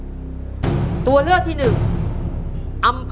คุณยายแจ้วเลือกตอบจังหวัดนครราชสีมานะครับ